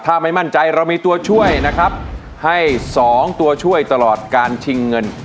ถ้าไม่มั่นใจเรามีตัวช่วยนะครับให้สองตัวช่วยตลอดการชิงเงิน